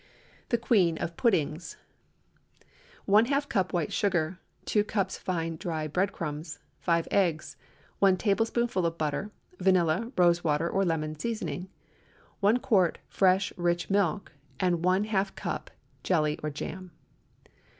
THE QUEEN OF PUDDINGS. ✠ 1½ cup white sugar. 2 cups fine dry bread crumbs. 5 eggs. 1 tablespoonful of butter. Vanilla, rose water, or lemon seasoning. 1 quart fresh rich milk, and one half cup jelly or jam.